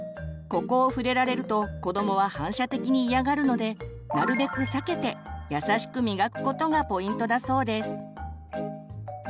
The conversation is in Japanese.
ここを触れられると子どもは反射的に嫌がるのでなるべく避けて優しく磨くことがポイントだそうです。